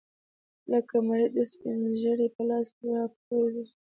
لکه مريد د سپينږيري په لاس راپرېوت.